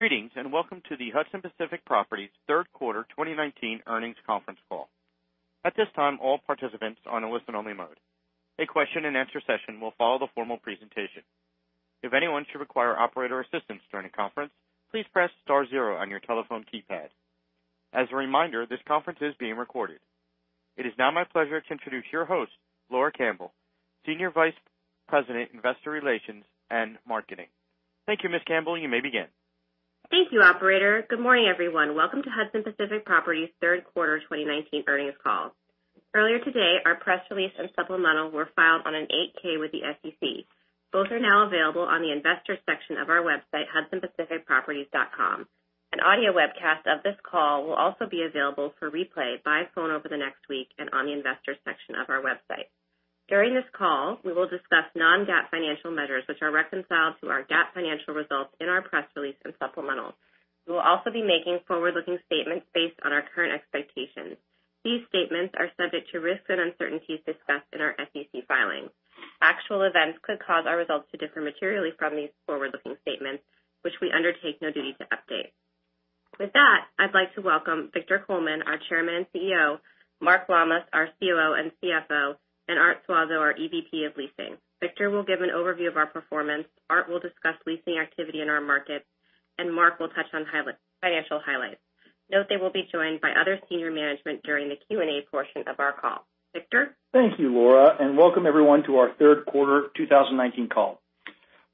Greetings, welcome to the Hudson Pacific Properties third quarter 2019 earnings conference call. At this time, all participants are on a listen-only mode. A question and answer session will follow the formal presentation. If anyone should require operator assistance during the conference, please press star zero on your telephone keypad. As a reminder, this conference is being recorded. It is now my pleasure to introduce your host, Laura Campbell, Senior Vice President, Investor Relations and Marketing. Thank you, Ms. Campbell. You may begin. Thank you, operator. Good morning, everyone. Welcome to Hudson Pacific Properties' third quarter 2019 earnings call. Earlier today, our press release and supplemental were filed on an 8-K with the SEC. Both are now available on the investor section of our website, hudsonpacificproperties.com. An audio webcast of this call will also be available for replay by phone over the next week and on the investor section of our website. During this call, we will discuss non-GAAP financial measures, which are reconciled to our GAAP financial results in our press release and supplemental. We will also be making forward-looking statements based on our current expectations. These statements are subject to risks and uncertainties discussed in our SEC filings. Actual events could cause our results to differ materially from these forward-looking statements, which we undertake no duty to update. With that, I'd like to welcome Victor Coleman, our Chairman and CEO, Mark Lammas, our COO and CFO, and Arthur Suazo, our EVP of Leasing. Victor will give an overview of our performance, Art will discuss leasing activity in our markets, and Mark will touch on financial highlights. Note they will be joined by other senior management during the Q&A portion of our call. Victor? Thank you, Laura, and welcome everyone to our third quarter 2019 call.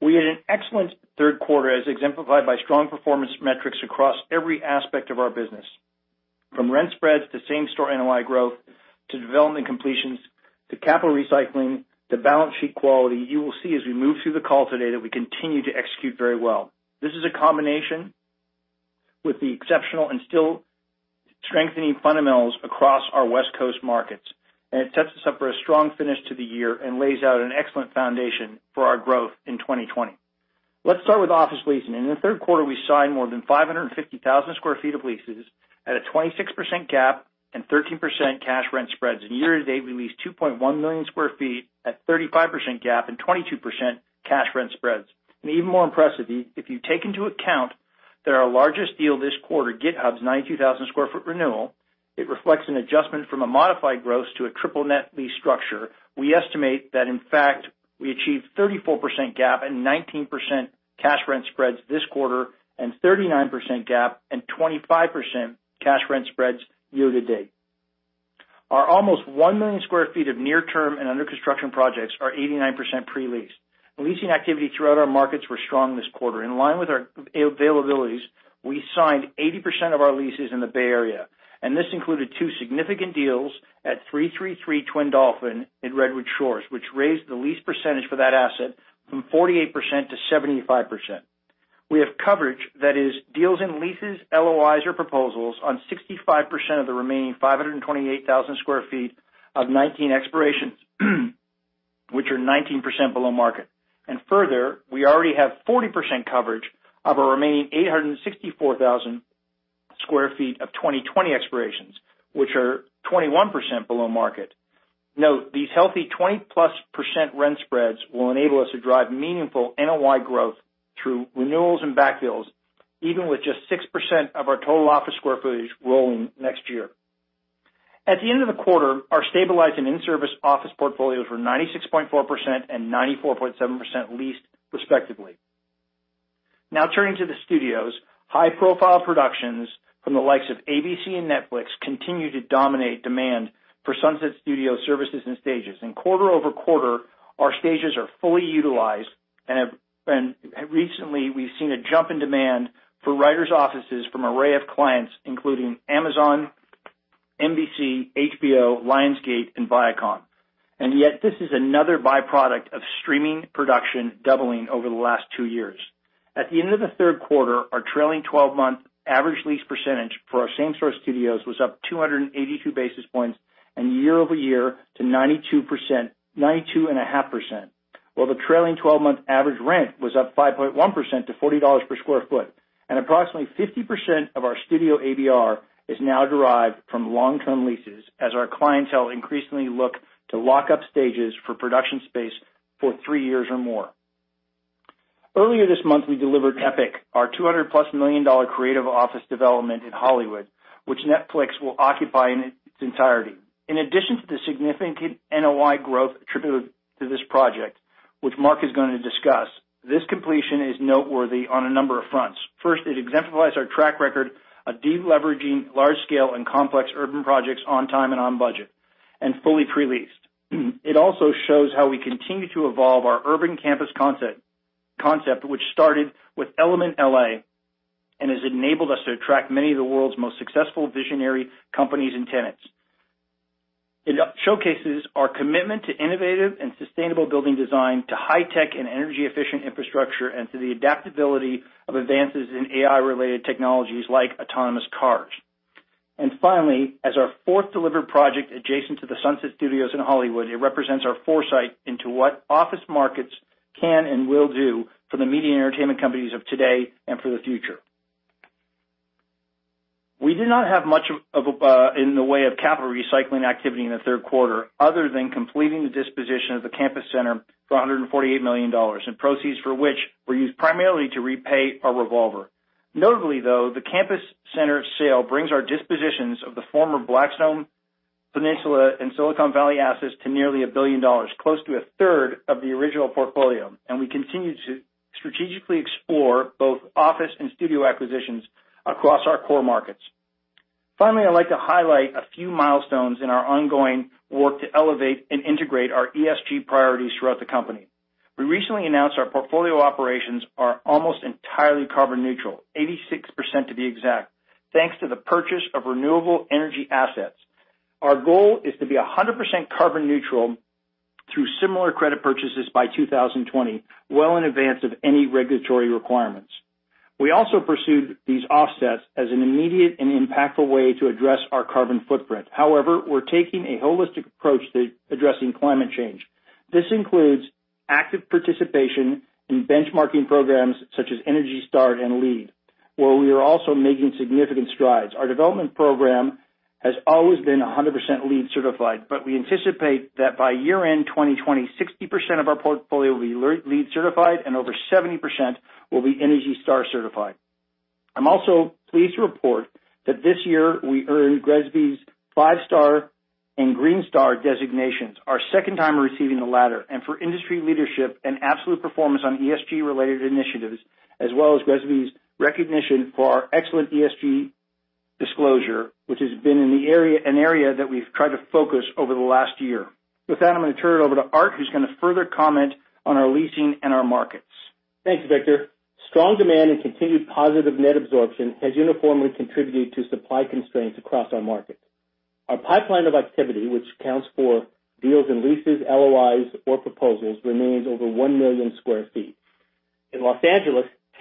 We had an excellent third quarter as exemplified by strong performance metrics across every aspect of our business. From rent spreads to same-store NOI growth, to development completions, to capital recycling, to balance sheet quality, you will see as we move through the call today that we continue to execute very well. This is a combination with the exceptional and still strengthening fundamentals across our West Coast markets, and it sets us up for a strong finish to the year and lays out an excellent foundation for our growth in 2020. Let's start with office leasing. In the third quarter, we signed more than 550,000 sq ft of leases at a 26% GAAP and 13% cash rent spreads. In year-to-date, we leased 2.1 million sq ft at 35% GAAP and 22% cash rent spreads. Even more impressive, if you take into account that our largest deal this quarter, GitHub's 92,000 square foot renewal, it reflects an adjustment from a modified gross to a triple net lease structure. We estimate that in fact, we achieved 34% GAAP and 19% cash rent spreads this quarter and 39% GAAP and 25% cash rent spreads year-to-date. Our almost 1 million square feet of near-term and under-construction projects are 89% pre-leased. Leasing activity throughout our markets were strong this quarter. In line with our availabilities, we signed 80% of our leases in the Bay Area, and this included two significant deals at 333 Twin Dolphin in Redwood Shores, which raised the lease percentage for that asset from 48% to 75%. We have coverage that is deals in leases, LOIs or proposals on 65% of the remaining 528,000 square feet of 19 expirations, which are 19% below market. Further, we already have 40% coverage of our remaining 864,000 sq ft of 2020 expirations, which are 21% below market. Note, these healthy 20-plus percent rent spreads will enable us to drive meaningful NOI growth through renewals and backfills, even with just 6% of our total office square footage rolling next year. At the end of the quarter, our stabilized and in-service office portfolios were 96.4% and 94.7% leased respectively. Turning to the studios. High-profile productions from the likes of ABC and Netflix continue to dominate demand for Sunset Studios services and stages. Quarter-over-quarter, our stages are fully utilized, and recently we've seen a jump in demand for writers' offices from array of clients, including Amazon, NBC, HBO, Lionsgate, and Viacom. Yet this is another byproduct of streaming production doubling over the last two years. At the end of the third quarter, our trailing 12-month average lease percentage for our same store studios was up 282 basis points year-over-year to 92.5%, while the trailing 12-month average rent was up 5.1% to $40 per sq ft. Approximately 50% of our studio ADR is now derived from long-term leases as our clientele increasingly look to lock up stages for production space for three years or more. Earlier this month, we delivered Epic, our $200-plus million creative office development in Hollywood, which Netflix will occupy in its entirety. In addition to the significant NOI growth attributed to this project, which Mark is going to discuss, this completion is noteworthy on a number of fronts. First, it exemplifies our track record of deleveraging large-scale and complex urban projects on time and on budget and fully pre-leased. It also shows how we continue to evolve our urban campus concept, which started with Element L.A. and has enabled us to attract many of the world's most successful visionary companies and tenants. It showcases our commitment to innovative and sustainable building design to high-tech and energy-efficient infrastructure, and to the adaptability of advances in AI-related technologies like autonomous cars. Finally, as our fourth delivered project adjacent to the Sunset Studios in Hollywood, it represents our foresight into what office markets can and will do for the media and entertainment companies of today and for the future. We did not have much in the way of capital recycling activity in the third quarter, other than completing the disposition of the Campus Center for $148 million, and proceeds for which were used primarily to repay our revolver. Notably, though, the Campus Center sale brings our dispositions of the former Blackstone Peninsula and Silicon Valley assets to nearly $1 billion, close to a third of the original portfolio. We continue to strategically explore both office and studio acquisitions across our core markets. Finally, I'd like to highlight a few milestones in our ongoing work to elevate and integrate our ESG priorities throughout the company. We recently announced our portfolio operations are almost entirely carbon neutral, 86% to be exact, thanks to the purchase of renewable energy assets. Our goal is to be 100% carbon neutral through similar credit purchases by 2020, well in advance of any regulatory requirements. We also pursued these offsets as an immediate and impactful way to address our carbon footprint. However, we're taking a holistic approach to addressing climate change. This includes active participation in benchmarking programs such as Energy Star and LEED, where we are also making significant strides. Our development program has always been 100% LEED certified, but we anticipate that by year-end 2020, 60% of our portfolio will be LEED certified and over 70% will be Energy Star certified. I am also pleased to report that this year we earned GRESB's five-star and green star designations, our second time receiving the latter, and for industry leadership and absolute performance on ESG-related initiatives, as well as GRESB's recognition for our excellent ESG disclosure, which has been an area that we've tried to focus over the last year. With that, I am going to turn it over to Art, who is going to further comment on our leasing and our markets. Thanks, Victor. Strong demand and continued positive net absorption has uniformly contributed to supply constraints across our markets. Our pipeline of activity, which accounts for deals and leases, LOIs, or proposals, remains over 1 million square feet. In L.A.,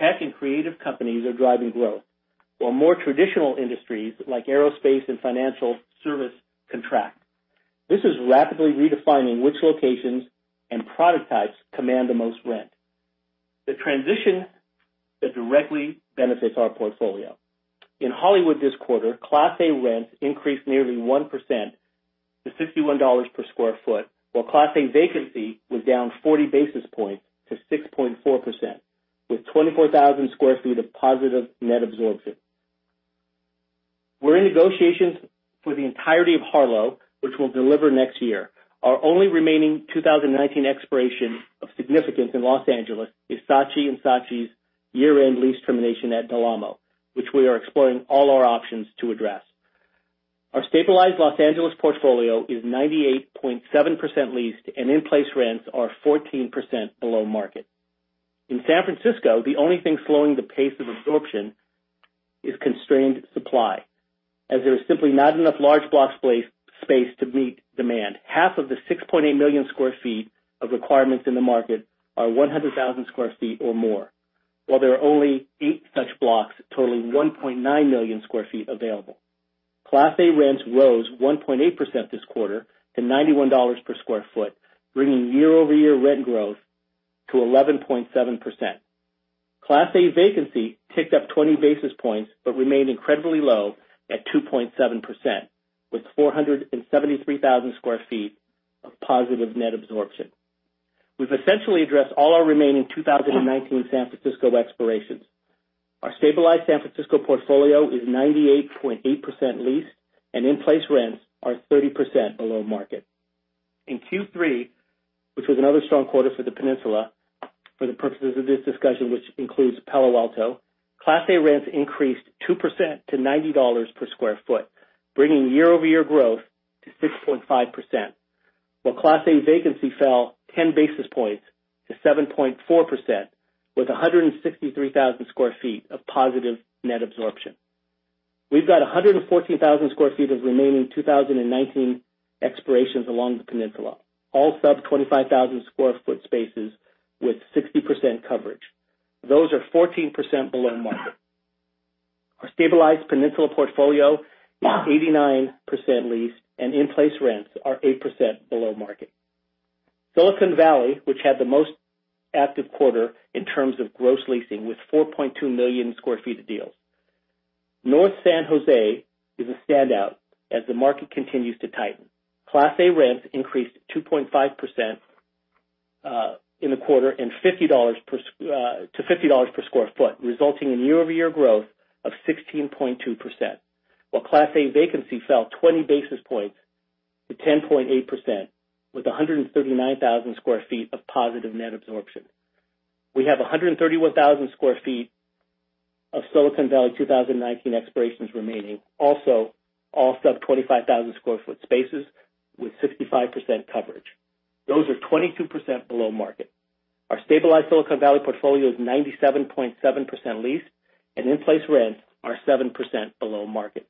tech and creative companies are driving growth, while more traditional industries like aerospace and financial services contract. This is rapidly redefining which locations and product types command the most rent. The transition that directly benefits our portfolio. In Hollywood this quarter, class A rents increased nearly 1% to $61 per square foot, while class A vacancy was down 40 basis points to 6.4%, with 24,000 square feet of positive net absorption. We're in negotiations for the entirety of Harlow, which we'll deliver next year. Our only remaining 2019 expiration of significance in L.A. is Saatchi & Saatchi's year-end lease termination at Del Amo, which we are exploring all our options to address. Our stabilized L.A. portfolio is 98.7% leased, and in-place rents are 14% below market. In San Francisco, the only thing slowing the pace of absorption is constrained supply, as there is simply not enough large block space to meet demand. Half of the 6.8 million square feet of requirements in the market are 100,000 square feet or more. While there are only eight such blocks totaling 1.9 million square feet available. Class A rents rose 1.8% this quarter to $91 per square foot, bringing year-over-year rent growth to 11.7%. Class A vacancy ticked up 20 basis points, but remained incredibly low at 2.7%, with 473,000 square feet of positive net absorption. We've essentially addressed all our remaining 2019 San Francisco expirations. Our stabilized San Francisco portfolio is 98.8% leased, and in-place rents are 30% below market. In Q3, which was another strong quarter for the peninsula, for the purposes of this discussion, which includes Palo Alto, Class A rents increased 2% to $90 per square foot, bringing year-over-year growth to 6.5%. While Class A vacancy fell 10 basis points to 7.4%, with 163,000 square feet of positive net absorption. We've got 114,000 square feet of remaining 2019 expirations along the peninsula, all sub 25,000 square foot spaces with 60% coverage. Those are 14% below market. Our stabilized peninsula portfolio is 89% leased, and in-place rents are 8% below market. Silicon Valley, which had the most active quarter in terms of gross leasing with 4.2 million square feet of deals. North San Jose is a standout as the market continues to tighten. Class A rents increased 2.5% in the quarter to $50 per square foot, resulting in year-over-year growth of 16.2%. While Class A vacancy fell 20 basis points to 10.8%, with 139,000 square feet of positive net absorption. We have 131,000 square feet of Silicon Valley 2019 expirations remaining, also all sub 25,000 square foot spaces with 65% coverage. Those are 22% below market. Our stabilized Silicon Valley portfolio is 97.7% leased, and in-place rents are 7% below market.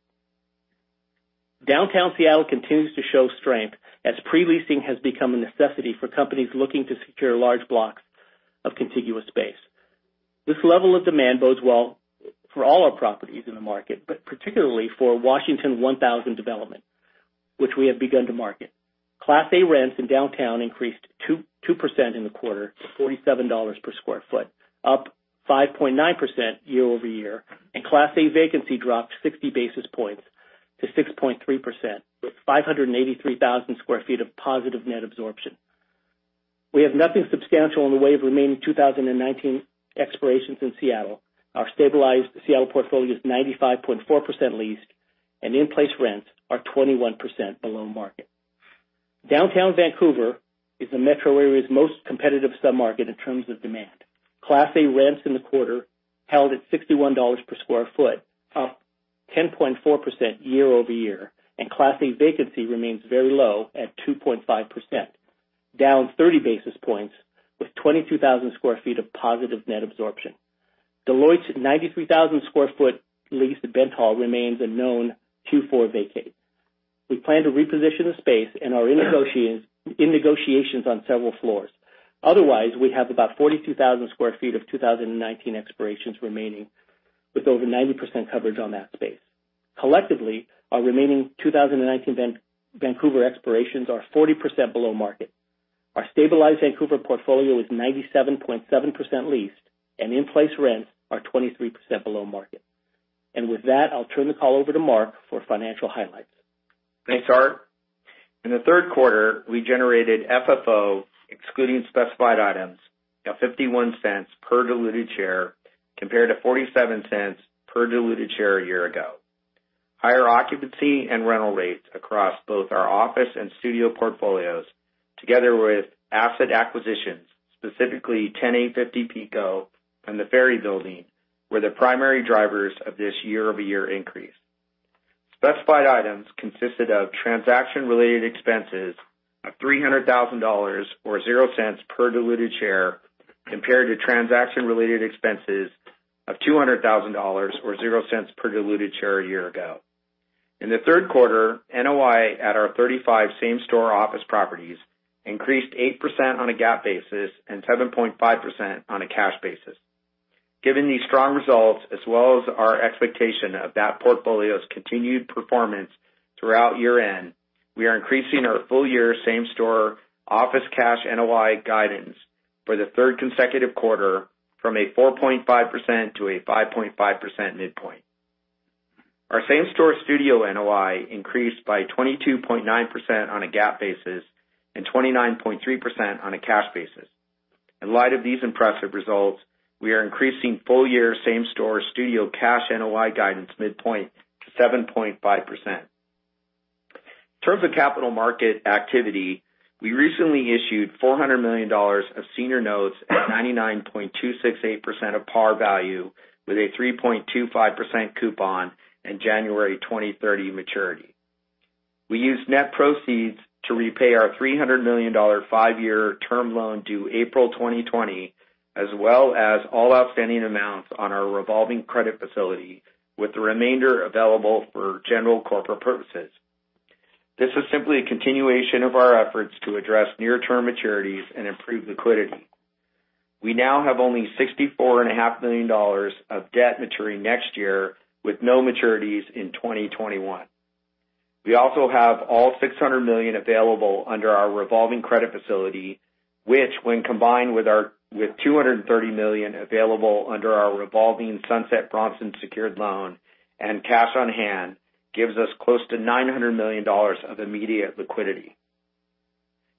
Downtown Seattle continues to show strength as pre-leasing has become a necessity for companies looking to secure large blocks of contiguous space. This level of demand bodes well for all our properties in the market, but particularly for Washington 1000 development, which we have begun to market. Class A rents in downtown increased 2% in the quarter to $47 per sq ft, up 5.9% year-over-year, and Class A vacancy dropped 60 basis points to 6.3%, with 583,000 sq ft of positive net absorption. We have nothing substantial in the way of remaining 2019 expirations in Seattle. Our stabilized Seattle portfolio is 95.4% leased, and in-place rents are 21% below market. Downtown Vancouver is the metro area's most competitive sub-market in terms of demand. Class A rents in the quarter held at $61 per sq ft, up 10.4% year-over-year, and Class A vacancy remains very low at 2.5%, down 30 basis points, with 22,000 sq ft of positive net absorption. Deloitte's 93,000 sq ft leased Bentall remains a known Q4 vacate. We plan to reposition the space and are in negotiations on several floors. Otherwise, we have about 42,000 square feet of 2019 expirations remaining, with over 90% coverage on that space. Collectively, our remaining 2019 Vancouver expirations are 40% below market. Our stabilized Vancouver portfolio is 97.7% leased, and in-place rents are 23% below market. With that, I'll turn the call over to Mark for financial highlights. Thanks, Art. In the third quarter, we generated FFO, excluding specified items, of $0.51 per diluted share, compared to $0.47 per diluted share a year ago. Higher occupancy and rental rates across both our office and studio portfolios, together with asset acquisitions, specifically 10850 Pico and The Ferry Building, were the primary drivers of this year-over-year increase. Specified items consisted of transaction-related expenses of $300,000, or $0.00 per diluted share, compared to transaction-related expenses of $200,000, or $0.00 per diluted share a year ago. In the third quarter, NOI at our 35 same-store office properties increased 8% on a GAAP basis and 7.5% on a cash basis. Given these strong results, as well as our expectation of that portfolio's continued performance throughout year-end, we are increasing our full-year same-store office cash NOI guidance for the third consecutive quarter from a 4.5%-5.5% midpoint. Our same-store studio NOI increased by 22.9% on a GAAP basis and 29.3% on a cash basis. In light of these impressive results, we are increasing full-year same-store studio cash NOI guidance midpoint to 7.5%. In terms of capital market activity, we recently issued $400 million of senior notes at 99.268% of par value with a 3.25% coupon and January 2030 maturity. We used net proceeds to repay our $300 million five-year term loan due April 2020, as well as all outstanding amounts on our revolving credit facility, with the remainder available for general corporate purposes. This is simply a continuation of our efforts to address near-term maturities and improve liquidity. We now have only $64.5 million of debt maturing next year, with no maturities in 2021. We also have all $600 million available under our revolving credit facility, which when combined with $230 million available under our revolving Sunset Bronson secured loan and cash on hand, gives us close to $900 million of immediate liquidity.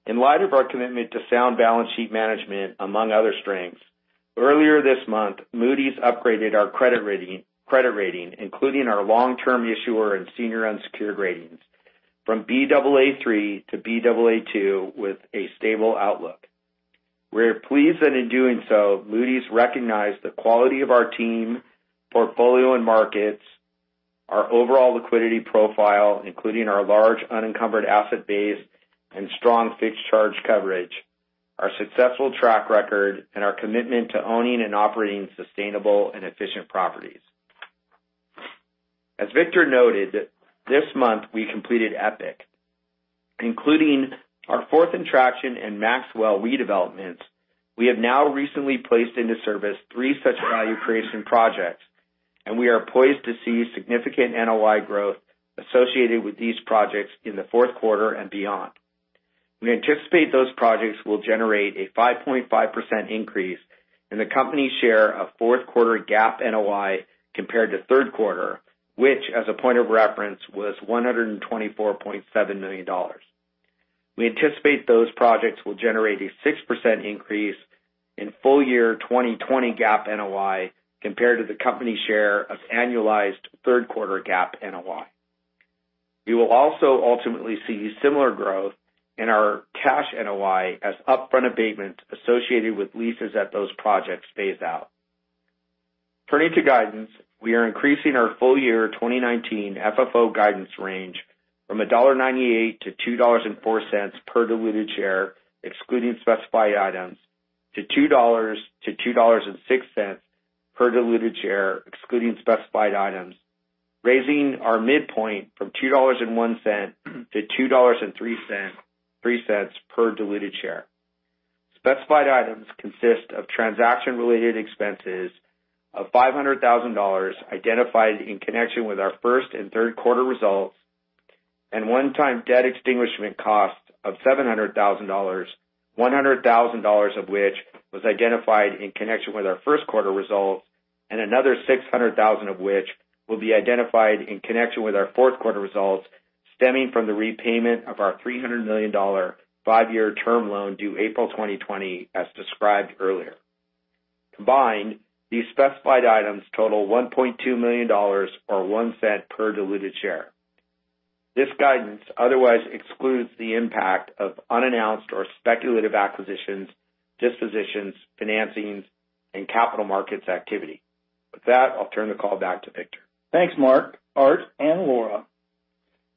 In light of our commitment to sound balance sheet management, among other strengths, earlier this month, Moody's upgraded our credit rating, including our long-term issuer and senior unsecured ratings from Baa3 to Baa2 with a stable outlook. We're pleased that in doing so, Moody's recognized the quality of our team, portfolio and markets, our overall liquidity profile, including our large unencumbered asset base and strong fixed charge coverage, our successful track record, and our commitment to owning and operating sustainable and efficient properties. As Victor noted, this month we completed Epic. Including our Fourth and Traction and Maxwell redevelopments, we have now recently placed into service three such value creation projects, and we are poised to see significant NOI growth associated with these projects in the fourth quarter and beyond. We anticipate those projects will generate a 5.5% increase in the company's share of fourth quarter GAAP NOI compared to third quarter, which, as a point of reference, was $124.7 million. We anticipate those projects will generate a 6% increase in full-year 2020 GAAP NOI compared to the company's share of annualized third quarter GAAP NOI. We will also ultimately see similar growth in our cash NOI as upfront abatement associated with leases at those projects phase out. Turning to guidance, we are increasing our full-year 2019 FFO guidance range from $1.98 to $2.04 per diluted share, excluding specified items, to $2 to $2.06 per diluted share, excluding specified items, raising our midpoint from $2.01 to $2.03 per diluted share. Specified items consist of transaction-related expenses of $500,000 identified in connection with our first and third quarter results, and one-time debt extinguishment cost of $700,000, $100,000 of which was identified in connection with our first quarter results, and another $600,000 of which will be identified in connection with our fourth quarter results stemming from the repayment of our $300 million five-year term loan due April 2020, as described earlier. Combined, these specified items total $1.2 million, or $0.01 per diluted share. This guidance otherwise excludes the impact of unannounced or speculative acquisitions, dispositions, financings, and capital markets activity. With that, I'll turn the call back to Victor. Thanks, Mark, Art, and Laura.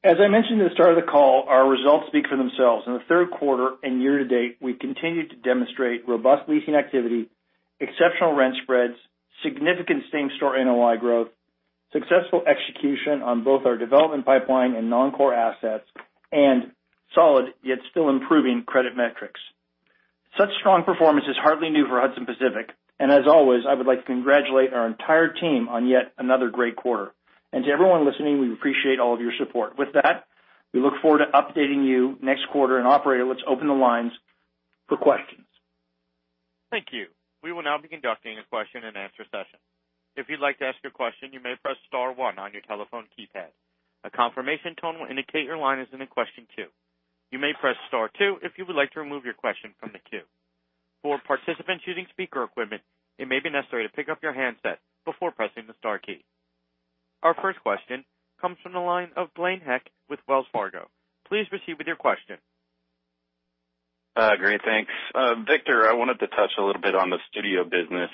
As I mentioned at the start of the call, our results speak for themselves. In the third quarter and year to date, we've continued to demonstrate robust leasing activity, exceptional rent spreads, significant same-store NOI growth, successful execution on both our development pipeline and non-core assets, and solid, yet still improving credit metrics. Such strong performance is hardly new for Hudson Pacific, and as always, I would like to congratulate our entire team on yet another great quarter. To everyone listening, we appreciate all of your support. With that, we look forward to updating you next quarter, and operator, let's open the lines for questions. Thank you. We will now be conducting a question and answer session. If you'd like to ask your question, you may press star one on your telephone keypad. A confirmation tone will indicate your line is in a question queue. You may press star two if you would like to remove your question from the queue. For participants using speaker equipment, it may be necessary to pick up your handset before pressing the star key. Our first question comes from the line of Blaine Heck with Wells Fargo. Please proceed with your question. Great. Thanks. Victor, I wanted to touch a little bit on the studio business.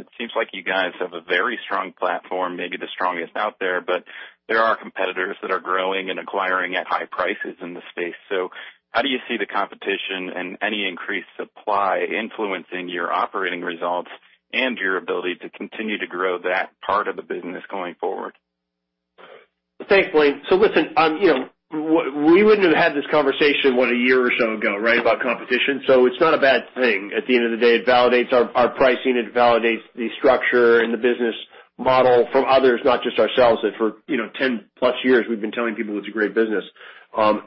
It seems like you guys have a very strong platform, maybe the strongest out there, but there are competitors that are growing and acquiring at high prices in the space. How do you see the competition and any increased supply influencing your operating results and your ability to continue to grow that part of the business going forward? Thanks, Blaine. Listen, we wouldn't have had this conversation, one, a year or so ago, right, about competition. At the end of the day, it validates our pricing, it validates the structure and the business model from others, not just ourselves, that for 10 plus years, we've been telling people it's a great business. Now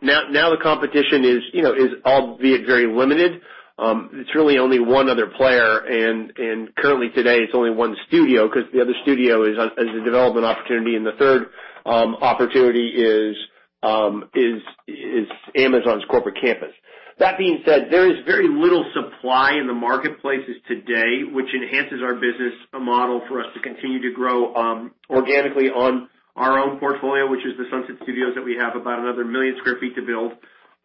the competition is, albeit very limited. It's really only one other player, and currently today it's only one studio because the other studio is a development opportunity, and the third opportunity is Amazon's corporate campus. That being said, there is very little supply in the marketplaces today, which enhances our business model for us to continue to grow organically on our own portfolio, which is the Sunset Studios that we have about another million square feet to build.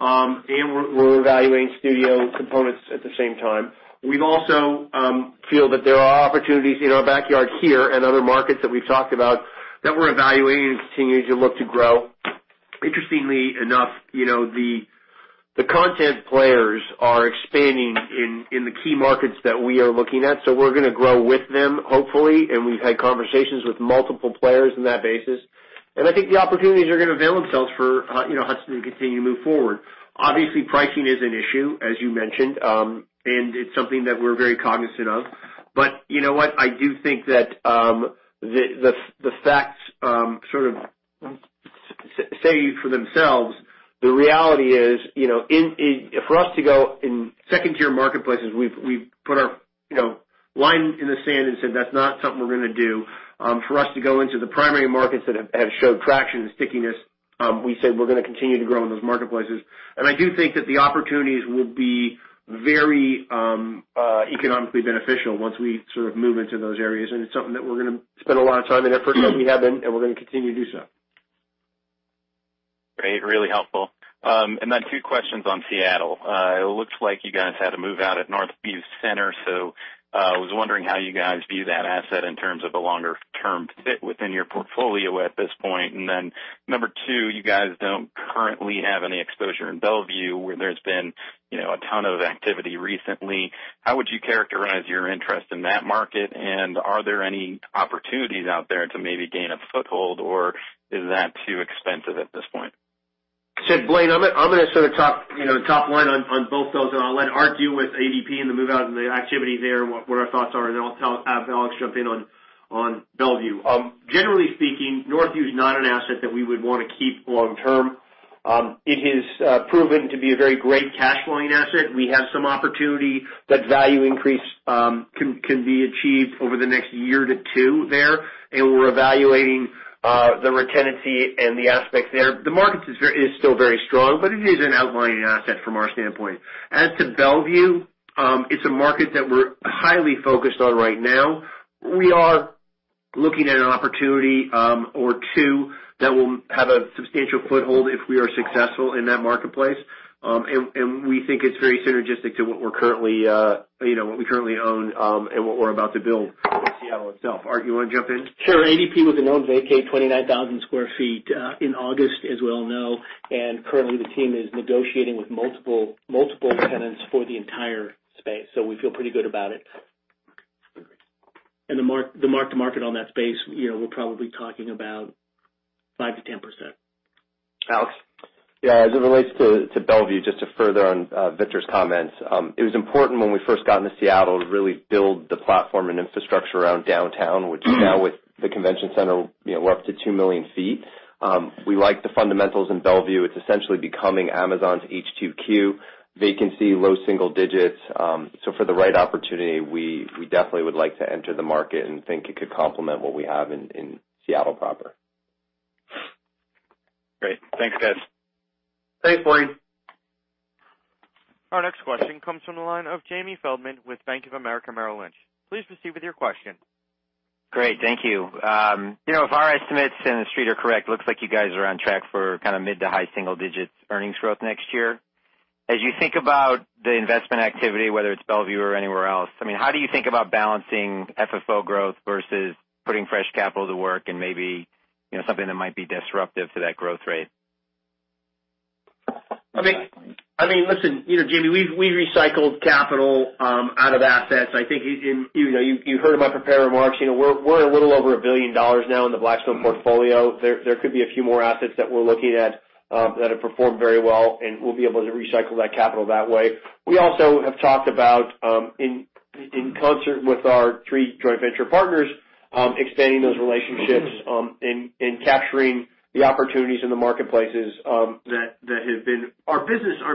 We're evaluating studio components at the same time. We also feel that there are opportunities in our backyard here and other markets that we've talked about that we're evaluating and continuing to look to grow. Interestingly enough, the content players are expanding in the key markets that we are looking at, so we're going to grow with them, hopefully, and we've had conversations with multiple players in that basis. I think the opportunities are going to avail themselves for Hudson to continue to move forward. Obviously, pricing is an issue, as you mentioned. It's something that we're very cognizant of. You know what. I do think that the facts sort of say for themselves. The reality is, for us to go in 2nd-tier marketplaces, we've put our line in the sand and said that's not something we're going to do. For us to go into the primary markets that have showed traction and stickiness, we said we're going to continue to grow in those marketplaces. I do think that the opportunities will be very economically beneficial once we sort of move into those areas. It's something that we're going to spend a lot of time and effort on. We have been, and we're going to continue to do so. Great. Really helpful. Then two questions on Seattle. It looks like you guys had to move out at Northview Center, so I was wondering how you guys view that asset in terms of a longer-term fit within your portfolio at this point. Then number 2, you guys don't currently have any exposure in Bellevue, where there's been a ton of activity recently. How would you characterize your interest in that market? Are there any opportunities out there to maybe gain a foothold, or is that too expensive at this point? Blaine, I'm going to sort of top line on both those, and I'll let Art deal with ADP and the move out and the activity there, what our thoughts are, and then I'll have Alex jump in on Bellevue. Generally speaking, Northview is not an asset that we would want to keep long term. It has proven to be a very great cash flowing asset. We have some opportunity that value increase can be achieved over the next year to two there, and we're evaluating the tenancy and the aspects there. The market is still very strong, but it is an outlying asset from our standpoint. As to Bellevue, it's a market that we're highly focused on right now. We are looking at an opportunity or two that will have a substantial foothold if we are successful in that marketplace. We think it's very synergistic to what we currently own, and what we're about to build in Seattle itself. Art, you want to jump in? Sure. ADP was announced vacate 29,000 square feet in August, as we all know. Currently the team is negotiating with multiple tenants for the entire space. We feel pretty good about it. The mark-to-market on that space, we're probably talking about 5%-10%. Alex? As it relates to Victor's comments. It was important when we first got into Seattle to really build the platform and infrastructure around downtown, which now with the convention center, we are up to 2 million feet. We like the fundamentals in Bellevue. It is essentially becoming Amazon's HQ2. Vacancy, low single digits. For the right opportunity, we definitely would like to enter the market and think it could complement what we have in Seattle proper. Great. Thanks, guys. Thanks, Blaine. Our next question comes from the line of Jamie Feldman with Bank of America Merrill Lynch. Please proceed with your question. Great. Thank you. If our estimates in The Street are correct, looks like you guys are on track for mid to high single-digit earnings growth next year. As you think about the investment activity, whether it's Bellevue or anywhere else, how do you think about balancing FFO growth versus putting fresh capital to work and maybe something that might be disruptive to that growth rate? Listen, Jamie, we recycled capital out of assets. I think you heard in my prepared remarks, we're a little over $1 billion now in the Blackstone portfolio. There could be a few more assets that we're looking at that have performed very well, and we'll be able to recycle that capital that way. We also have talked about, in concert with our three joint venture partners, expanding those relationships, and capturing the opportunities in the marketplaces that have been our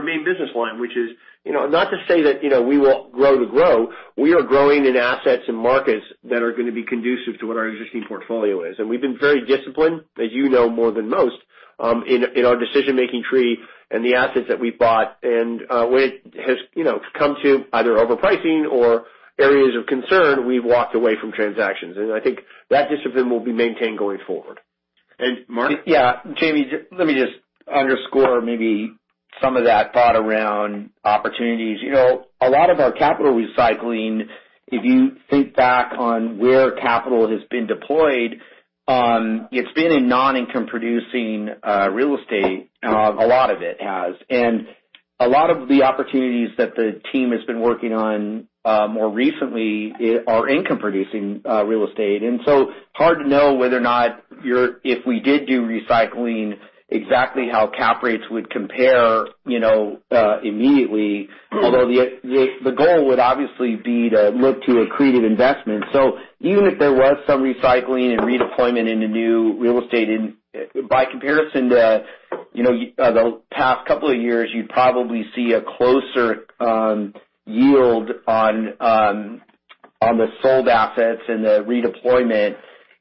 main business line, which is not to say that we won't grow to grow. We are growing in assets and markets that are going to be conducive to what our existing portfolio is. We've been very disciplined, as you know more than most, in our decision-making tree and the assets that we've bought. When it has come to either overpricing or areas of concern, we've walked away from transactions. I think that discipline will be maintained going forward. Mark? Yeah. Jamie, let me just underscore maybe some of that thought around opportunities. A lot of our capital recycling, if you think back on where capital has been deployed, it's been in non-income producing real estate. A lot of it has. A lot of the opportunities that the team has been working on more recently are income-producing real estate. Hard to know whether or not if we did do recycling, exactly how cap rates would compare immediately. Although the goal would obviously be to look to accretive investment. Even if there was some recycling and redeployment in the new real estate, by comparison to the past couple of years, you'd probably see a closer yield on the sold assets and the redeployment.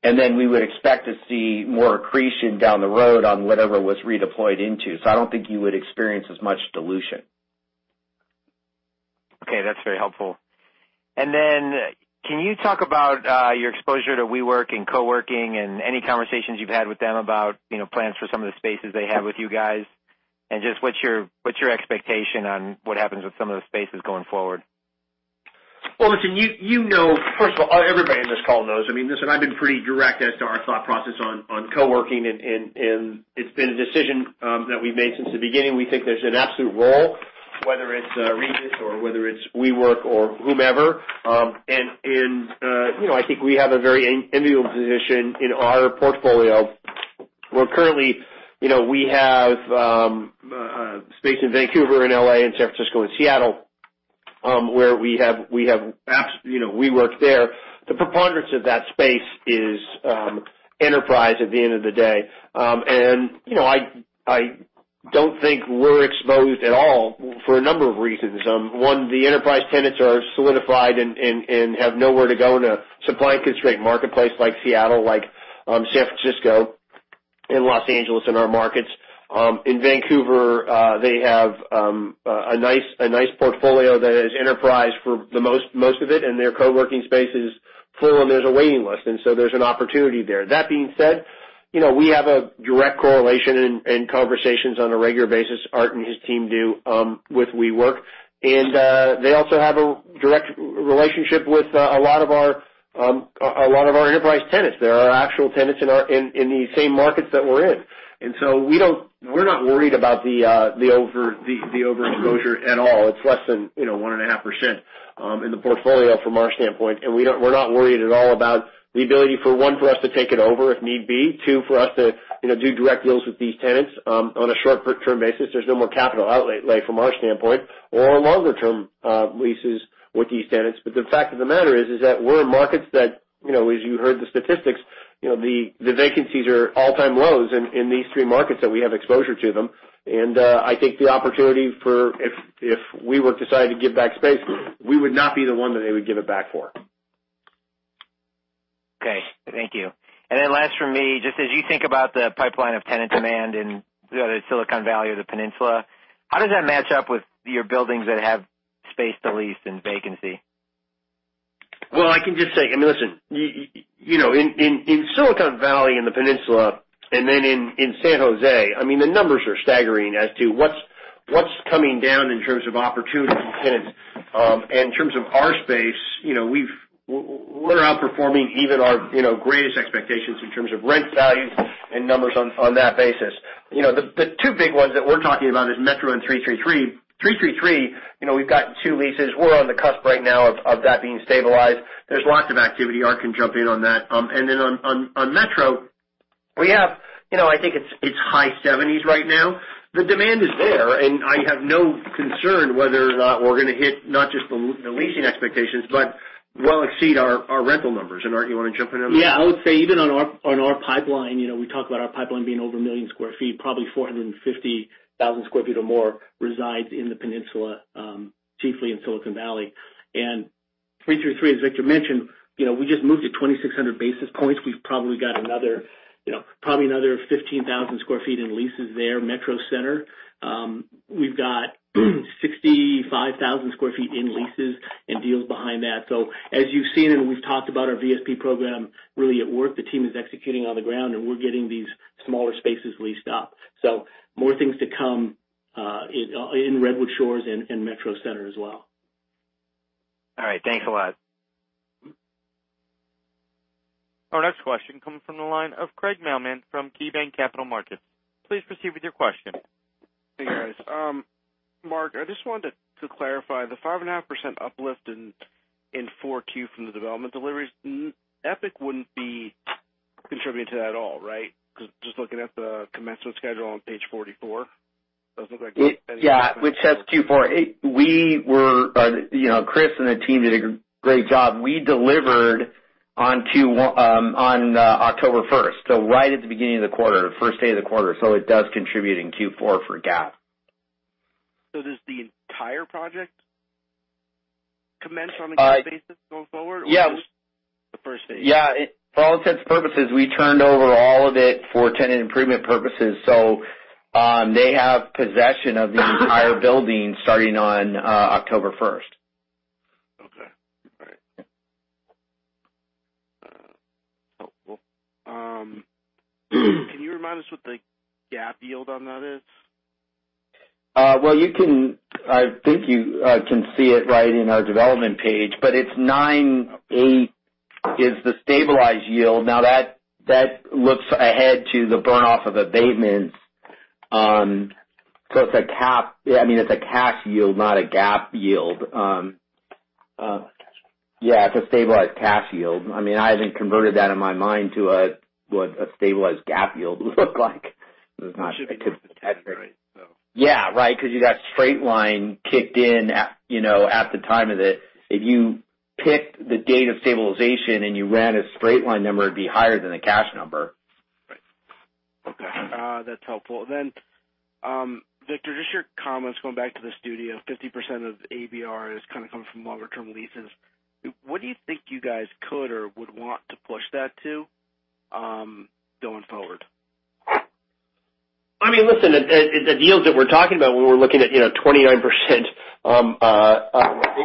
We would expect to see more accretion down the road on whatever was redeployed into. I don't think you would experience as much dilution. Okay. That's very helpful. Can you talk about your exposure to WeWork and co-working and any conversations you've had with them about plans for some of the spaces they have with you guys? Just what's your expectation on what happens with some of the spaces going forward? Well, listen, you know, first of all, everybody in this call knows. I mean, listen, I've been pretty direct as to our thought process on co-working. It's been a decision that we've made since the beginning. We think there's an absolute role, whether it's Regus or whether it's WeWork or whomever. I think we have a very enviable position in our portfolio, where currently we have space in Vancouver, in L.A., in San Francisco, and Seattle, where we have WeWork there. The preponderance of that space is enterprise at the end of the day. I don't think we're exposed at all for a number of reasons. One, the enterprise tenants are solidified and have nowhere to go in a supply-constrained marketplace like Seattle, like San Francisco and Los Angeles in our markets. In Vancouver, they have a nice portfolio that is enterprise for most of it, their co-working space is full, there's a waiting list. There's an opportunity there. That being said, we have a direct correlation and conversations on a regular basis, Art and his team do, with WeWork. They also have a direct relationship with a lot of our enterprise tenants. They are our actual tenants in the same markets that we're in. We're not worried about the overexposure at all. It's less than 1.5% in the portfolio from our standpoint. We're not worried at all about the ability for one, for us to take it over if need be. Two, for us to do direct deals with these tenants on a short-term basis. There's no more capital outlay from our standpoint or longer-term leases with these tenants. The fact of the matter is that we're in markets that, as you heard the statistics, the vacancies are all-time lows in these three markets that we have exposure to them. I think the opportunity if WeWork decided to give back space, we would not be the one that they would give it back for. Okay. Thank you. Last from me, just as you think about the pipeline of tenant demand in Silicon Valley or the Peninsula, how does that match up with your buildings that have space to lease and vacancy? I can just say, listen. In Silicon Valley and the Peninsula in San Jose, the numbers are staggering as to what's coming down in terms of opportunity tenants. In terms of our space, we're outperforming even our greatest expectations in terms of rent value and numbers on that basis. The two big ones that we're talking about is Metro and 333. 333, we've got two leases. We're on the cusp right now of that being stabilized. There's lots of activity. Art can jump in on that. Then on Metro. We have, I think it's high 70s right now. The demand is there. I have no concern whether or not we're going to hit, not just the leasing expectations, but well exceed our rental numbers. Art, you want to jump in on that? Yeah. I would say, even on our pipeline, we talk about our pipeline being over 1 million sq ft, probably 450,000 sq ft or more resides in the peninsula, chiefly in Silicon Valley. 323, as Victor mentioned, we just moved to 2,600 basis points. We've probably got another 15,000 sq ft in leases there, Metro Center. We've got 65,000 sq ft in leases and deals behind that. As you've seen and we've talked about our VSP program really at work, the team is executing on the ground, and we're getting these smaller spaces leased up. More things to come in Redwood Shores and Metro Center as well. All right. Thanks a lot. Our next question comes from the line of Craig Mailman from KeyBanc Capital Markets. Please proceed with your question. Hey, guys. Mark, I just wanted to clarify the 5.5% uplift in 4Q from the development deliveries. Epic wouldn't be contributing to that at all, right, just looking at the commencement schedule on page 44? Yeah, which says Q4. Chris and the team did a great job. We delivered on October 1st, right at the beginning of the quarter, the first day of the quarter. It does contribute in Q4 for GAAP. Does the entire project commence on a cash basis going forward? Yeah. Just the phase 1? For all intents and purposes, we turned over all of it for tenant improvement purposes. They have possession of the entire building starting on October 1st. Okay. All right. Helpful. Can you remind us what the GAAP yield on that is? Well, I think you can see it right in our development page. It's 9.8%, is the stabilized yield. That looks ahead to the burn off of abatements. It's a cash yield, not a GAAP yield. Cash. Yeah, it's a stabilized cash yield. I haven't converted that in my mind to what a stabilized GAAP yield would look like. Should be close to 10, right? Yeah, right, because you got straight line kicked in at the time of it. If you pick the date of stabilization and you ran a straight line number, it'd be higher than the cash number. Right. Okay. That's helpful. Victor, just your comments, going back to the studio, 50% of ABR is kind of coming from longer-term leases. What do you think you guys could or would want to push that to, going forward? Listen, the deals that we're talking about when we're looking at 29%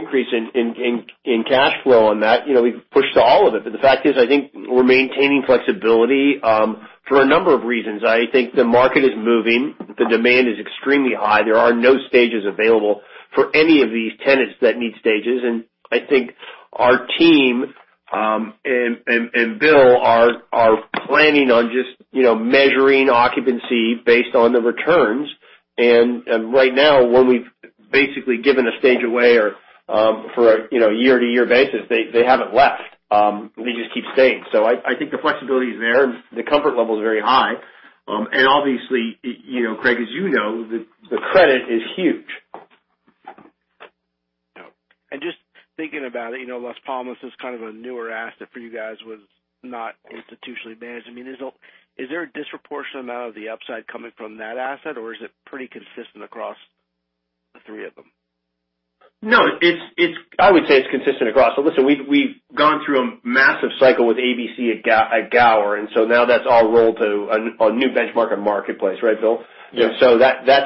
increase in cash flow on that, we've pushed all of it. The fact is, I think we're maintaining flexibility for a number of reasons. I think the market is moving. The demand is extremely high. There are no stages available for any of these tenants that need stages. I think our team, and Bill, are planning on just measuring occupancy based on the returns. Right now, when we've basically given a stage away or for a year-to-year basis, they haven't left. They just keep staying. I think the flexibility is there, and the comfort level is very high. Obviously, Craig, as you know, the credit is huge. Yeah. Just thinking about it, Las Palmas is kind of a newer asset for you guys, was not institutionally managed. Is there a disproportionate amount of the upside coming from that asset, or is it pretty consistent across the three of them? No. I would say it's consistent across. Listen, we've gone through a massive cycle with ABC at Gower, now that's all rolled to a new benchmark at Marketplace, right, Bill? Yeah. That's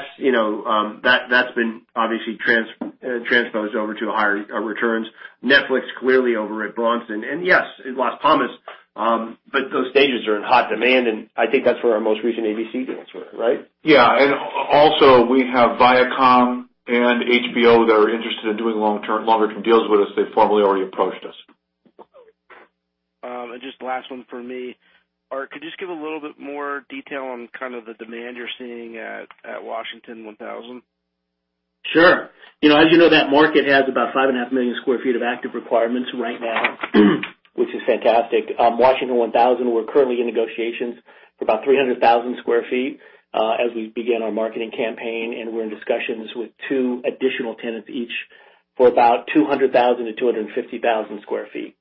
been obviously transposed over to higher returns. Netflix clearly over at Bronson. Yes, in Las Palmas, those stages are in hot demand, and I think that's where our most recent ABC deals were, right? Yeah. Also, we have Viacom and HBO that are interested in doing longer-term deals with us. They've formally already approached us. Just last one from me. Art, could you just give a little bit more detail on kind of the demand you're seeing at Washington 1000? Sure. As you know, that market has about 5.5 million square feet of active requirements right now, which is fantastic. Washington 1000, we're currently in negotiations for about 300,000 square feet as we begin our marketing campaign, and we're in discussions with two additional tenants each for about 200,000-250,000 square feet.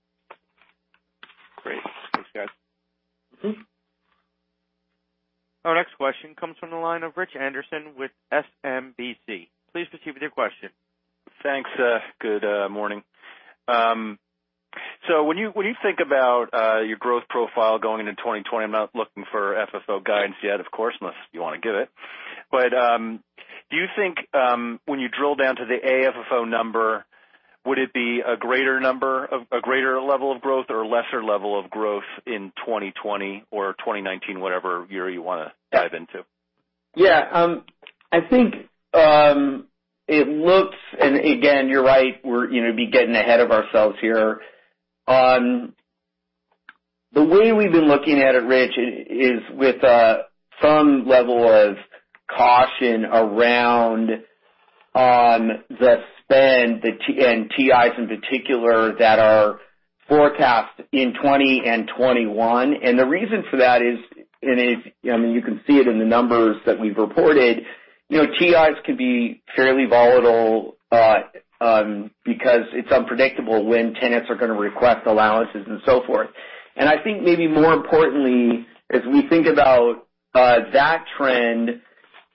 Great. Thanks, guys. Our next question comes from the line of Richard Anderson with SMBC. Please proceed with your question. Thanks. Good morning. When you think about your growth profile going into 2020, I'm not looking for FFO guidance yet, of course, unless you want to give it. Do you think, when you drill down to the AFFO number, would it be a greater level of growth or a lesser level of growth in 2020 or 2019, whatever year you want to dive into? Yeah. I think it looks, and again, you're right, we'd be getting ahead of ourselves here. The way we've been looking at it, Rich, is with some level of caution around on the spend and TIs in particular that are forecast in 2020 and 2021. The reason for that is, you can see it in the numbers that we've reported. TIs can be fairly volatile because it's unpredictable when tenants are going to request allowances and so forth. I think maybe more importantly, as we think about that trend,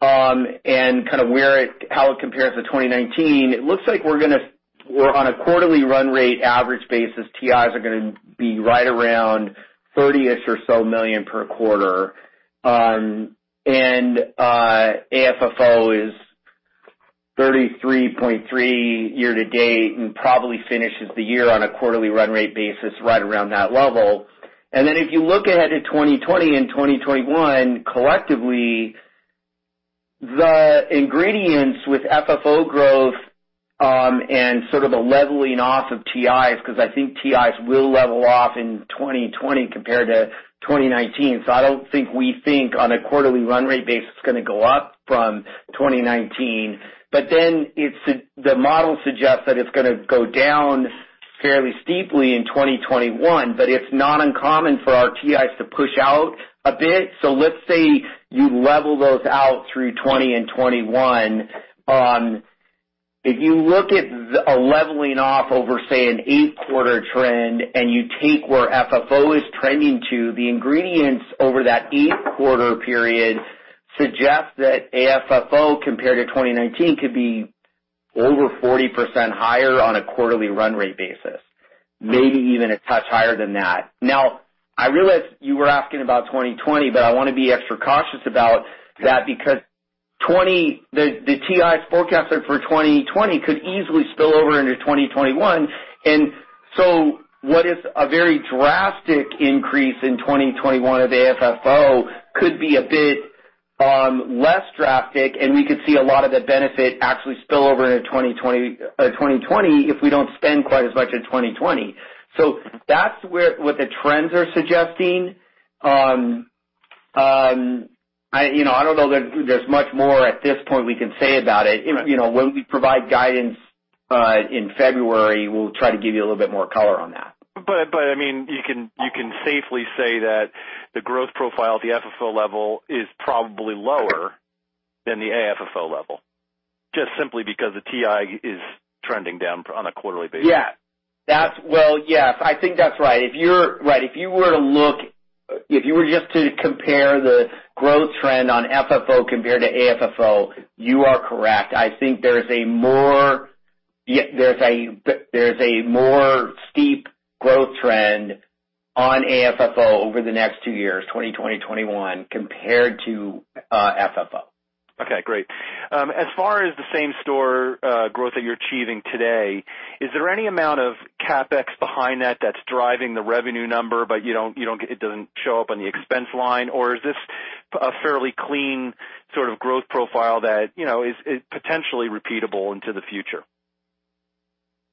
and how it compares to 2019, it looks like we're on a quarterly run rate average basis, TIs are going to be right around $30-ish or so million per quarter. AFFO is $33.3 year to date and probably finishes the year on a quarterly run rate basis right around that level. If you look ahead to 2020 and 2021, collectively, the ingredients with FFO growth, and sort of the leveling off of TIs, because I think TIs will level off in 2020 compared to 2019. I don't think we think on a quarterly run rate base it's going to go up from 2019. The model suggests that it's going to go down fairly steeply in 2021, but it's not uncommon for our TIs to push out a bit. Let's say you level those out through 2020 and 2021. If you look at a leveling off over, say, an eight-quarter trend, and you take where FFO is trending to, the ingredients over that eight-quarter period suggest that AFFO, compared to 2019, could be over 40% higher on a quarterly run rate basis. Maybe even a touch higher than that. I realize you were asking about 2020, but I want to be extra cautious about that because the TIs forecasted for 2020 could easily spill over into 2021. What is a very drastic increase in 2021 of AFFO could be a bit less drastic, and we could see a lot of the benefit actually spill over into 2020 if we don't spend quite as much in 2020. That's what the trends are suggesting. I don't know there's much more at this point we can say about it. When we provide guidance in February, we'll try to give you a little bit more color on that. You can safely say that the growth profile at the FFO level is probably lower than the AFFO level. Just simply because the TI is trending down on a quarterly basis. Yeah. I think that's right. If you were just to compare the growth trend on FFO compared to AFFO, you are correct. I think there's a more steep growth trend on AFFO over the next two years, 2020, 2021, compared to FFO. Okay, great. As far as the same store growth that you're achieving today, is there any amount of CapEx behind that that's driving the revenue number, but it doesn't show up on the expense line, or is this a fairly clean sort of growth profile that is potentially repeatable into the future?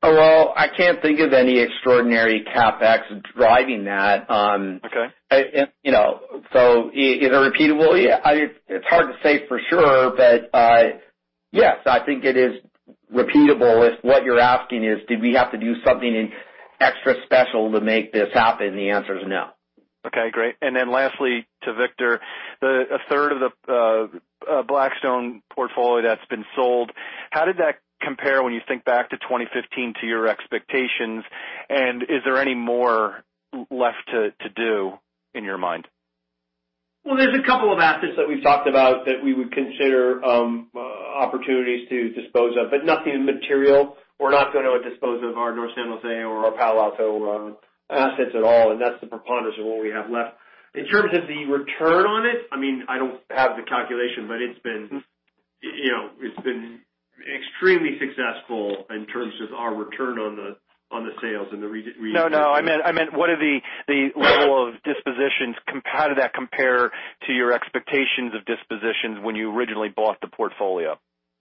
Well, I can't think of any extraordinary CapEx driving that. Okay. Is it repeatable? It's hard to say for sure, but yes, I think it is repeatable. If what you're asking is, did we have to do something extra special to make this happen? The answer is no. Okay, great. Lastly, to Victor. A third of the Blackstone portfolio that's been sold, how did that compare when you think back to 2015 to your expectations, and is there any more left to do in your mind? Well, there's a couple of assets that we've talked about that we would consider opportunities to dispose of, but nothing material. We're not going to dispose of our North San Jose or our Palo Alto assets at all, That's the preponderance of what we have left. In terms of the return on it, I don't have the calculation, It's been extremely successful in terms of our return on the sales and the recent- No, I meant what are the level of dispositions, how did that compare to your expectations of dispositions when you originally bought the portfolio?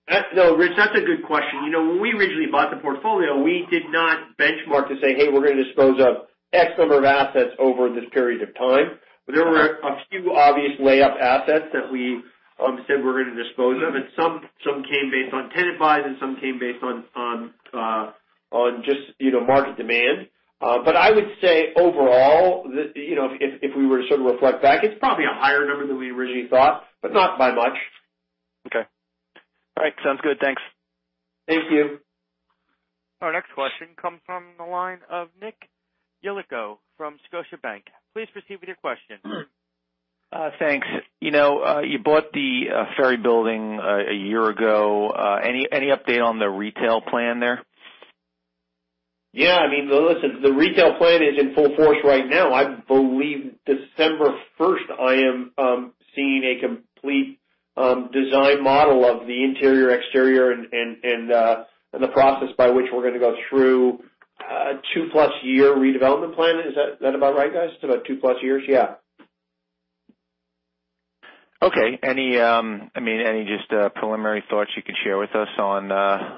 Rich, that's a good question. When we originally bought the portfolio, we did not benchmark to say, "Hey, we're going to dispose of X number of assets over this period of time." There were a few obvious layup assets that we said we're going to dispose of, and some came based on tenant buys, and some came based on just market demand. I would say overall, if we were to sort of reflect back, it's probably a higher number than we originally thought, but not by much. Okay. All right. Sounds good. Thanks. Thank you. Our next question comes from the line of Nick Yulico from Scotiabank. Please proceed with your question. Thanks. You bought the Ferry Building a year ago. Any update on the retail plan there? Yeah. Listen, the retail plan is in full force right now. I believe December 1st, I am seeing a complete design model of the interior, exterior, and the process by which we're going to go through a two-plus year redevelopment plan. Is that about right, guys? It's about two-plus years? Yeah. Okay. Any just preliminary thoughts you could share with us on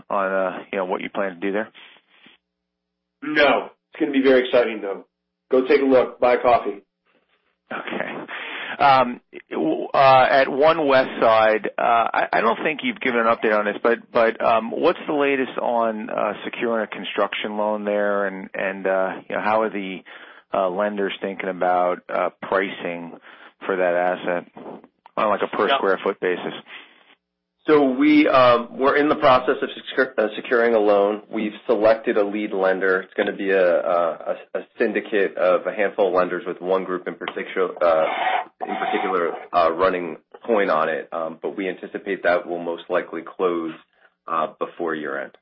what you plan to do there? No. It's going to be very exciting though. Go take a look. Buy a coffee. Okay. At One Westside, I don't think you've given an update on this, but what's the latest on securing a construction loan there and how are the lenders thinking about pricing for that asset on like a per square foot basis? We're in the process of securing a loan. We've selected a lead lender. It's going to be a syndicate of a handful of lenders with one group in particular running point on it. We anticipate that will most likely close before year-end.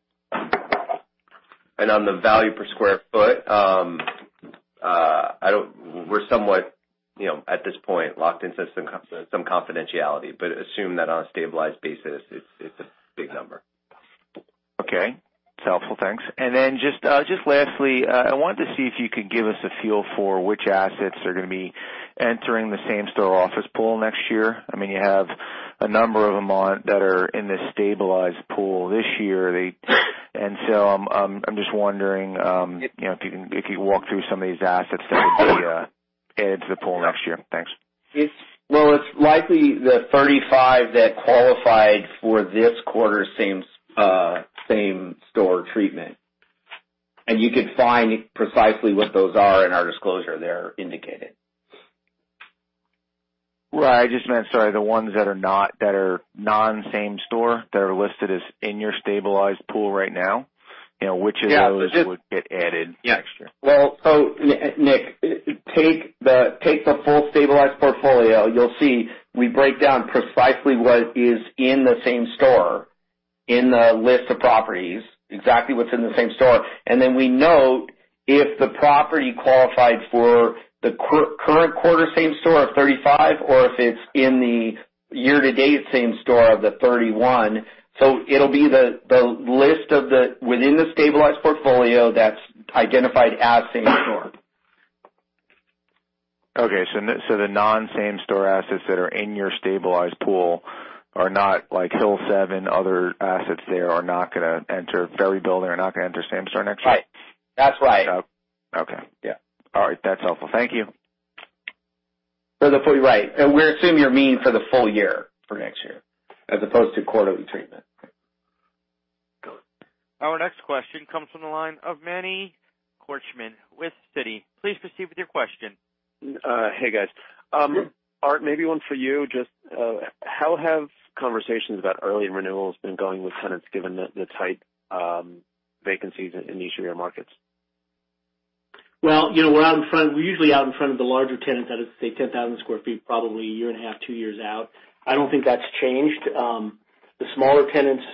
On the value per square foot, we're somewhat at this point locked into some confidentiality, but assume that on a stabilized basis it's a big number. Okay. It's helpful. Thanks. Just lastly, I wanted to see if you could give us a feel for which assets are going to be entering the same-store office pool next year. You have a number of them that are in this stabilized pool this year. I'm just wondering if you could walk through some of these assets that would be added to the pool next year. Thanks. Well, it's likely the 35 that qualified for this quarter same-store treatment. You could find precisely what those are in our disclosure. They're indicated. Right. I just meant, sorry, the ones that are non-same-store that are listed as in your stabilized pool right now, which of those would get added next year? Well, Nick, take the full stabilized portfolio. You'll see we break down precisely what is in the same store in the list of properties, exactly what's in the same store. We note if the property qualified for the current quarter same store of 35 or if it's in the year-to-date same store of the 31. It'll be the list within the stabilized portfolio that's identified as same store. Okay. The non-same store assets that are in your stabilized pool are not like Hill7 and other assets there are not going to enter Ferry Building are not going to enter same store next year? Right. That's right. Okay. Yeah. All right. That's helpful. Thank you. Right. We're assuming you mean for the full year for next year as opposed to quarterly treatment. Our next question comes from the line of Manny Korchman with Citi. Please proceed with your question. Hey, guys. Art, maybe one for you. Just how have conversations about early renewals been going with tenants given the tight vacancies in each of your markets? Well, we're usually out in front of the larger tenants that is, say, 10,000 sq ft, probably a year and a half, two years out. I don't think that's changed. The smaller tenants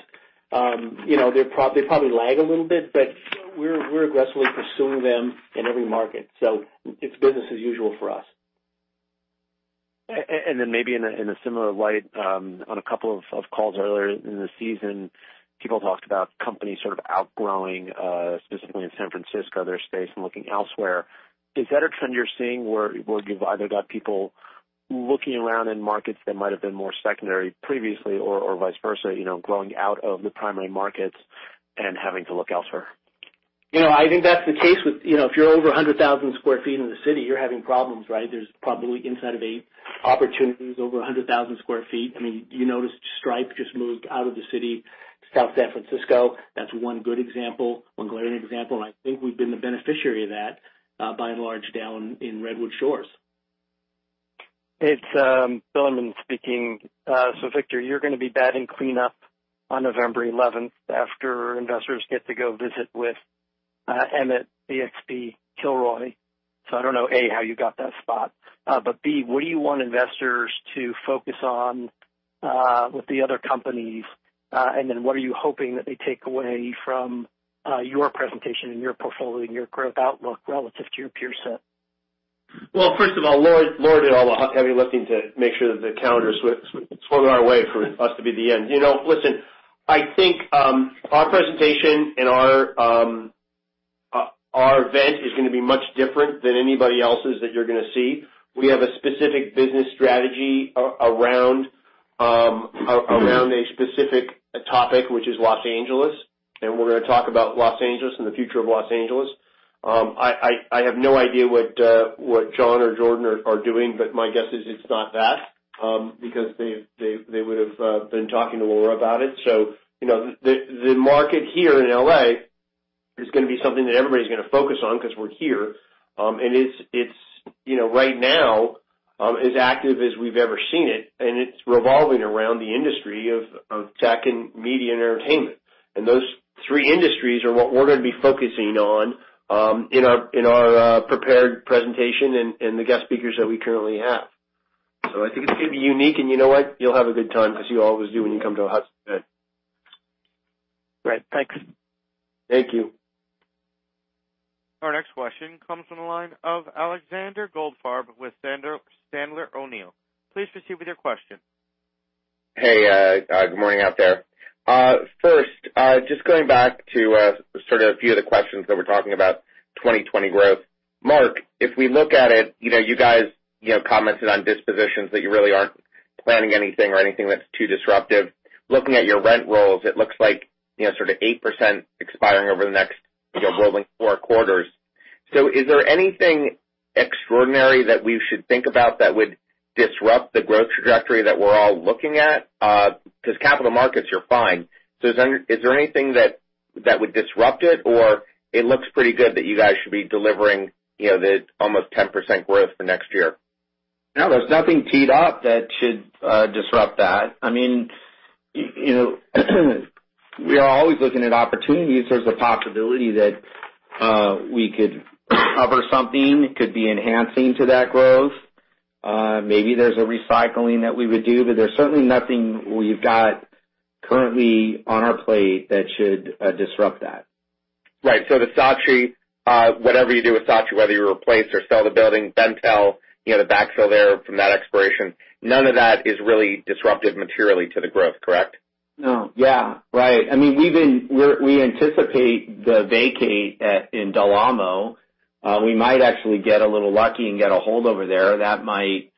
they probably lag a little bit, but we're aggressively pursuing them in every market. It's business as usual for us. Maybe in a similar light, on a couple of calls earlier in the season, people talked about companies sort of outgrowing, specifically in San Francisco, their space and looking elsewhere. Is that a trend you're seeing where you've either got people looking around in markets that might have been more secondary previously or vice versa, growing out of the primary markets and having to look elsewhere? I think that's the case with if you're over 100,000 square feet in the city, you're having problems, right? There's probably inside of eight opportunities over 100,000 square feet. You noticed Stripe just moved out of the city to South San Francisco. That's one good example. One glaring example, I think we've been the beneficiary of that, by and large, down in Redwood Shores. It's Bill Mann speaking. Victor, you're going to be batting cleanup on November 11th after investors get to go visit with EQ Office, BXP, Kilroy. I don't know, A, how you got that spot. B, what do you want investors to focus on with the other companies? What are you hoping that they take away from your presentation and your portfolio and your growth outlook relative to your peer set? Well, first of all, Laura did all the heavy lifting to make sure that the calendar swung our way for us to be at the end. Listen, I think our presentation and our event is going to be much different than anybody else's that you're going to see. We have a specific business strategy around a specific topic, which is Los Angeles, and we're going to talk about Los Angeles and the future of Los Angeles. I have no idea what John or Jordan are doing, but my guess is it's not that because they would've been talking to Laura about it. The market here in L.A. is going to be something that everybody's going to focus on because we're here. It's right now as active as we've ever seen it, and it's revolving around the industry of tech and media and entertainment. Those three industries are what we're going to be focusing on in our prepared presentation and the guest speakers that we currently have. I think it's going to be unique, and you know what? You'll have a good time because you always do when you come to a Hudson event. Great. Thanks. Thank you. Our next question comes from the line of Alexander Goldfarb with Sandler O'Neill. Please proceed with your question. Hey, good morning out there. First, just going back to sort of a few of the questions that we're talking about 2020 growth. Mark, if we look at it, you guys commented on dispositions that you really aren't planning anything or anything that's too disruptive. Looking at your rent rolls, it looks like sort of 8% expiring over the next rolling four quarters. Is there anything extraordinary that we should think about that would disrupt the growth trajectory that we're all looking at? Because capital markets, you're fine. Is there anything that would disrupt it, or it looks pretty good that you guys should be delivering the almost 10% growth for next year? No, there's nothing teed up that should disrupt that. We are always looking at opportunities. There's a possibility that we could cover something, could be enhancing to that growth. Maybe there's a recycling that we would do, but there's certainly nothing we've got currently on our plate that should disrupt that. Right. The Saatchi & Saatchi, whatever you do with Saatchi & Saatchi, whether you replace or sell the building, Bentall Centre, the backfill there from that expiration, none of that is really disruptive materially to the growth, correct? No. Yeah. Right. We anticipate the vacate in Del Amo. We might actually get a little lucky and get a holdover there that might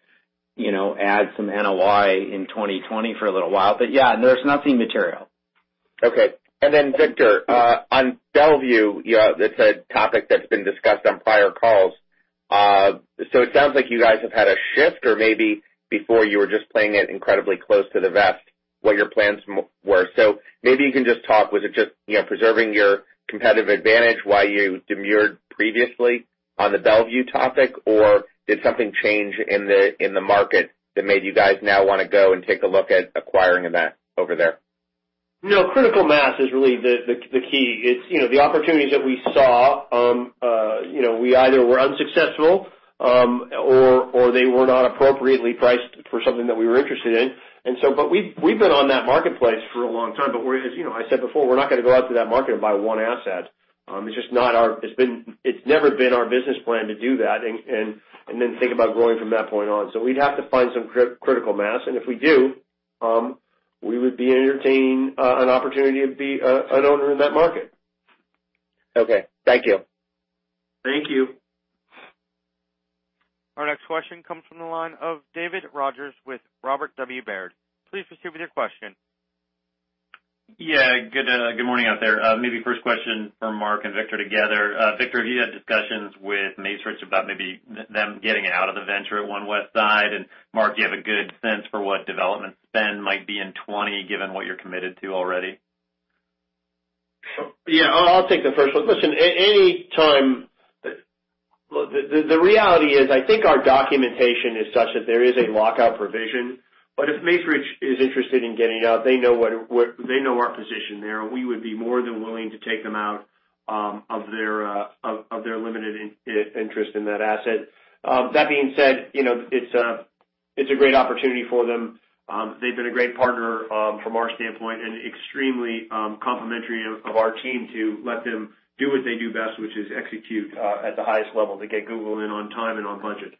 add some NOI in 2020 for a little while. Yeah, there's nothing material. Okay. Victor, on Bellevue, it's a topic that's been discussed on prior calls. It sounds like you guys have had a shift or maybe before you were just playing it incredibly close to the vest what your plans were. Maybe you can just talk, was it just preserving your competitive advantage why you demurred previously on the Bellevue topic, or did something change in the market that made you guys now want to go and take a look at acquiring that over there? Critical mass is really the key. The opportunities that we saw, we either were unsuccessful, or they were not appropriately priced for something that we were interested in. We've been on that marketplace for a long time, but as I said before, we're not going to go out to that market and buy one asset. It's never been our business plan to do that and then think about growing from that point on. We'd have to find some critical mass, and if we do, we would be entertaining an opportunity to be an owner in that market. Okay. Thank you. Thank you. Our next question comes from the line of David Rodgers with Robert W. Baird. Please proceed with your question. Yeah. Good morning out there. Maybe first question for Mark and Victor together. Victor, have you had discussions with Macerich about maybe them getting out of the venture at One Westside? Mark, do you have a good sense for what development spend might be in 2020, given what you're committed to already? Yeah, I'll take the first one. Listen, the reality is, I think our documentation is such that there is a lockout provision, but if Macerich is interested in getting out, they know our position there. We would be more than willing to take them out of their limited interest in that asset. That being said, it's a great opportunity for them. They've been a great partner from our standpoint and extremely complimentary of our team to let them do what they do best, which is execute at the highest level to get Google in on time and on budget.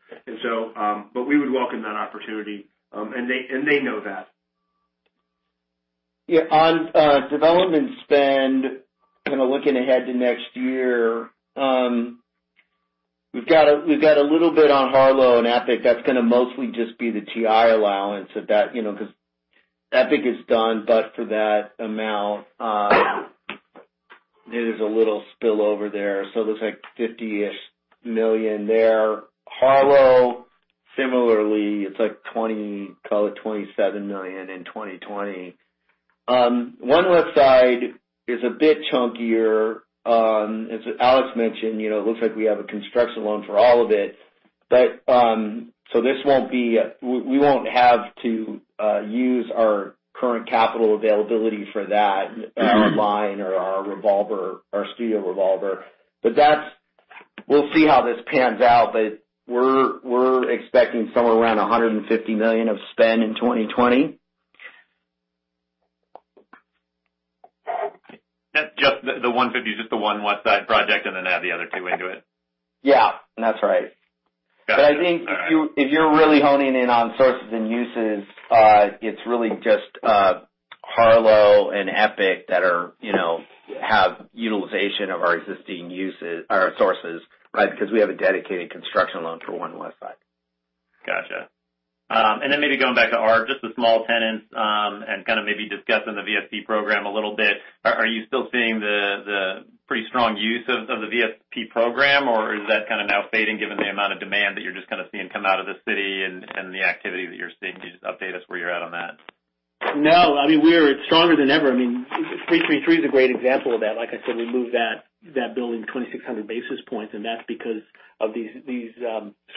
We would welcome that opportunity, and they know that. On development spend, looking ahead to next year, we've got a little bit on Harlow and Epic that's going to mostly just be the TI allowance because Epic is done, for that amount, there is a little spillover there. There's $50 million there. Harlow, similarly, it's $27 million in 2020. One Westside is a bit chunkier. As Alex mentioned, it looks like we have a construction loan for all of it. We won't have to use our current capital availability for that, our line or our studio revolver. We'll see how this pans out, we're expecting somewhere around $150 million of spend in 2020. That's just the 150, just the One Westside project, and then add the other two into it? Yeah. That's right. Got it. All right. I think if you're really honing in on sources and uses, it's really just Harlow and Epic that have utilization of our existing sources. Right. We have a dedicated construction loan for One Westside. Got you. Maybe going back to Art, just the small tenants, and kind of maybe discussing the VSP program a little bit, are you still seeing the pretty strong use of the VSP program, or is that kind of now fading given the amount of demand that you're just kind of seeing come out of the city and the activity that you're seeing? Can you just update us where you're at on that? No. It's stronger than ever. 333 is a great example of that. Like I said, we moved that building 2,600 basis points. That's because of these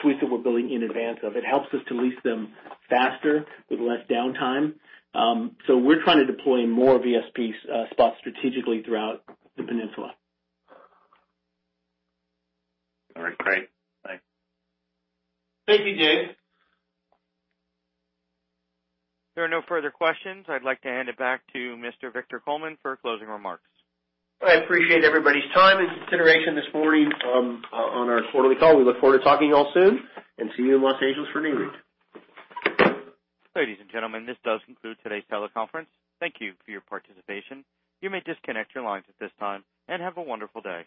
suites that we're building in advance of. It helps us to lease them faster with less downtime. We're trying to deploy more VSP spots strategically throughout the peninsula. All right, great. Bye. Thank you, Dave. If there are no further questions, I'd like to hand it back to Mr. Victor Coleman for closing remarks. I appreciate everybody's time and consideration this morning on our quarterly call. We look forward to talking to you all soon and see you in Los Angeles for Nareit. Ladies and gentlemen, this does conclude today's teleconference. Thank you for your participation. You may disconnect your lines at this time, and have a wonderful day.